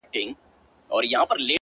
نړيږي جوړ يې کړئ دېوال په اسويلو نه سي ـ